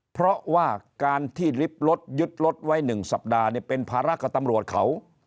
เพราะว่าการที่ลิฟต์รถยึดรถไว้๑สัปดาห์เนี่ยเป็นภาระกับตำรวจเขา